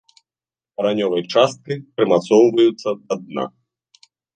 Каранёвай часткай прымацоўваюцца да дна.